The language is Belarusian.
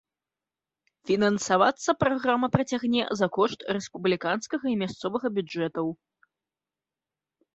Фінансавацца праграма працягне за кошт рэспубліканскага і мясцовага бюджэтаў.